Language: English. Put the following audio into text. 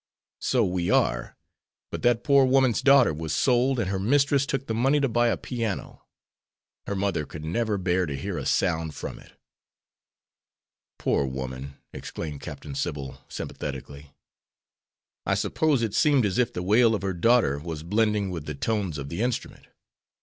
"So we are; but that poor woman's daughter was sold, and her mistress took the money to buy a piano. Her mother could never bear to hear a sound from it." "Poor woman!" exclaimed Captain Sybil, sympathetically; "I suppose it seemed as if the wail of her daughter was blending with the tones of the instrument.